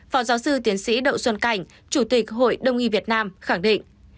phó giáo sư tiến sĩ đậu xuân cảnh chủ tịch hội đông nghi việt nam khẳng định